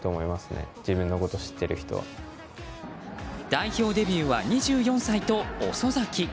代表デビューは２４歳と遅咲き。